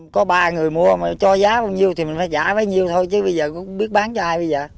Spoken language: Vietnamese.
có ba người mua mà cho giá bao nhiêu thì mình phải trả bao nhiêu thôi chứ bây giờ cũng biết bán cho ai bây giờ